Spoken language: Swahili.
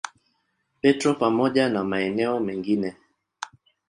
Petro pamoja na maeneo mengine.